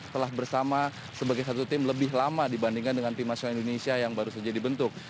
telah bersama sebagai satu tim lebih lama dibandingkan dengan tim nasional indonesia yang baru saja dibentuk